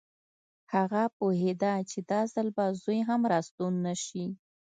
هغه پوهېده چې دا ځل به زوی هم راستون نه شي